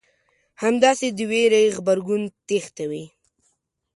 همداسې د وېرې غبرګون تېښته وي.